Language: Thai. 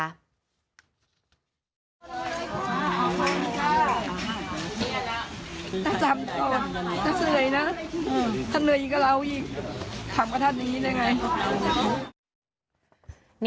จะจำคนจริงนะถ้าเหนื่อยก็เล่าอีกทำกับท่านอย่างนี้ได้ไง